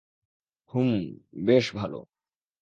হুমম, বেশ ভালো।